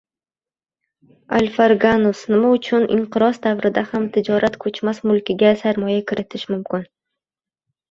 Alfraganus: Nima uchun inqiroz davrida ham tijorat ko‘chmas mulkiga sarmoya kiritish mumkin?